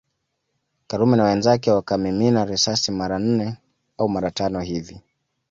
Karume na wenzake wakamimina risasi mara nne au mara tano hivi